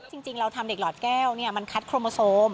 จริงเราทำเด็กหลอดแก้วมันคัดโครโมโซม